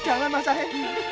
jangan mas ahe